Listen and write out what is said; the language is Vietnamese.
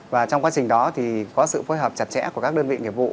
và trong quá trình đó thì có sự phối hợp chặt chẽ của các đơn vị nghiệp vụ